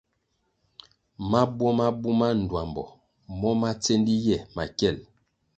Mabuo ma buma ndtuambo mo ma tsendi ye makiel.